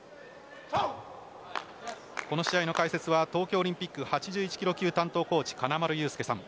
この試合の解説は東京オリンピック８１ｋｇ級担当コーチ金丸雄介さん。